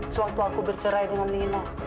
sewaktu aku bercerai dengan nina